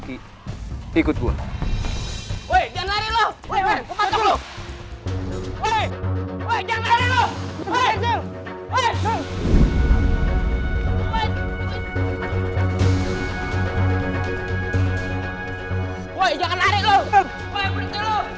seni renang renang tuas